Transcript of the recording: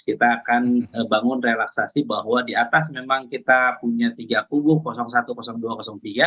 kita akan bangun relaksasi bahwa di atas memang kita punya tiga kubu satu dua tiga